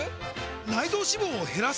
内臓脂肪を減らす！？